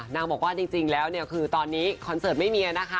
นางบอกว่าจริงแล้วเนี่ยคือตอนนี้คอนเสิร์ตไม่มีนะคะ